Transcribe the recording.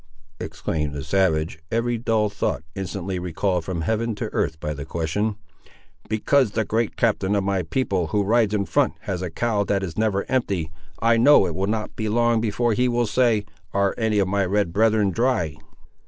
exclaimed the savage, every dull thought instantly recalled from heaven to earth by the question. "Because the great captain of my people, who rides in front, has a cow that is never empty. I know it will not be long before he will say, Are any of my red brethren dry?"